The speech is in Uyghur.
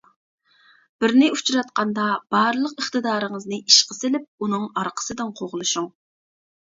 بىرنى ئۇچراتقاندا، بارلىق ئىقتىدارىڭىزنى ئىشقا سېلىپ، ئۇنىڭ ئارقىسىدىن قوغلىشىڭ.